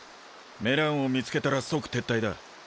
メランを見つけたら即撤退だ。